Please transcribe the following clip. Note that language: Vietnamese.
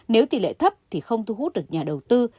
nếu tỷ lệ thấp thì không thu hút được nhà đầu tư